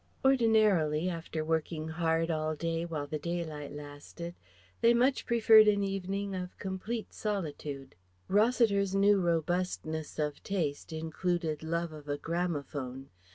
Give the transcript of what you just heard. Ordinarily, after working hard all day while the daylight lasted they much preferred an evening of complete solitude. Rossiter's new robustness of taste included love of a gramophone.